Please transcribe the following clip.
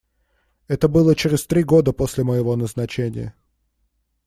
Это было через три года после моего назначения.